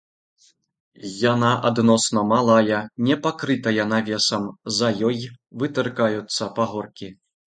Яна адносна малая, не пакрытая навесам, за ёй вытыркаюцца пагоркі.